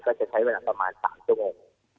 ก็จะใช้เวลาประมาณ๓ชั่วโมง